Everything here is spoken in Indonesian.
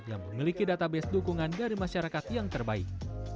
yang memiliki database dukungan dari masyarakat yang terbaik